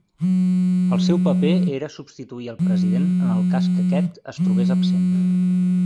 El seu paper era substituir el President en el cas que aquest es trobés absent.